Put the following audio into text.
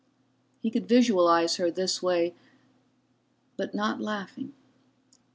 He could visualize her this way, but not laughing.